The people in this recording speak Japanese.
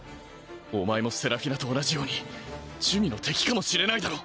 お前もセラフィナと同じように珠魅の敵かもしれないだろ。